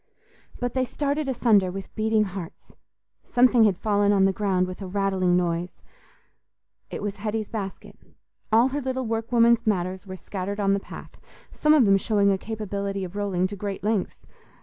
But they started asunder with beating hearts: something had fallen on the ground with a rattling noise; it was Hetty's basket; all her little workwoman's matters were scattered on the path, some of them showing a capability of rolling to great lengths.